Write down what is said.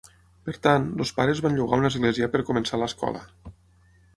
Per tant, els pares van llogar una església per començar l'escola.